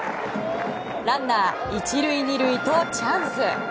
ランナー１塁２塁とチャンス。